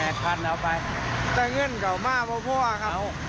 ตรงเงินเขาม่าพ่อครับ